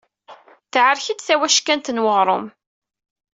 Tɛerk-d tawackant n weɣṛum.